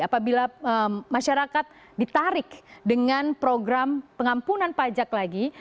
apabila masyarakat ditarik dengan program pengampunan pajak lagi